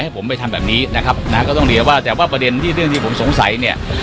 ให้ผมไปทำแบบนี้นะครับนะก็ต้องเรียกว่าแต่ว่าประเด็นที่เรื่องที่ผมสงสัยเนี่ย